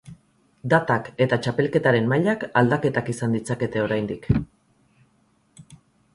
Datak eta txapelketaren mailak aldaketak izan ditzakete oraindik.